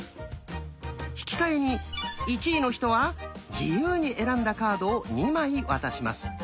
引き換えに１位の人は自由に選んだカードを２枚渡します。